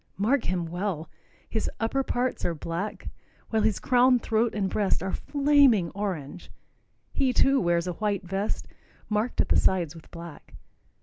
Mark him well. His upper parts are black, while his crown, throat and breast are flaming orange. He, too, wears a white vest, marked at the sides with black.